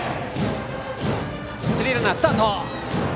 一塁ランナースタート。